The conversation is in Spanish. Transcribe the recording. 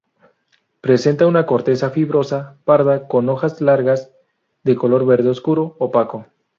Presenta una corteza fibrosa, parda, con hojas largas de color verde oscuro opaco.